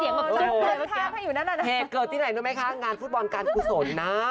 เหตุเกิดที่ไหนรู้ไหมคะงานฟุตบอลการกุศลนะ